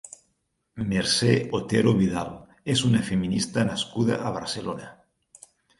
Mercè Otero Vidal és una feminista nascuda a Barcelona.